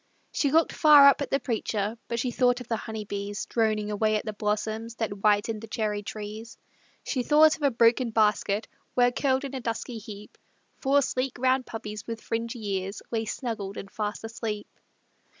She looked far up at the preacher, But she thought of the honeybees Droning away at the blossoms That whitened the cherry trees. She thought of a broken basket, Where curled in a dusky heap, Four sleek, round puppies, with fringy ears. Lay snuggled and fast asleep.